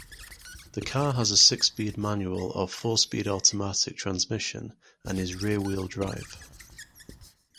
The car has a six-speed manual or four-speed automatic transmission, and is rear-wheel drive.